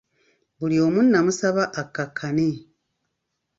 Buli omu namusaba akakkane.